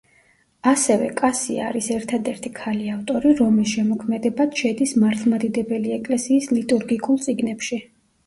ასევე კასია არის ერთადერთი ქალი ავტორი, რომლის შემოქმედებაც შედის მართლმადიდებელი ეკლესიის ლიტურგიკულ წიგნებში.